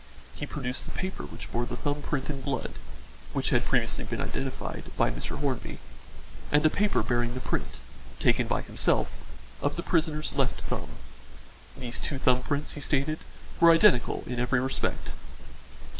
He produced the paper which bore the thumb print in blood (which had previously been identified by Mr. Hornby) and a paper bearing the print, taken by himself, of the prisoner's left thumb. These two thumb prints, he stated, were identical in every respect.